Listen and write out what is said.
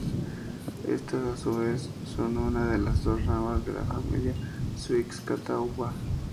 Estas a su vez son una de las dos ramas de la familia siux-catawba.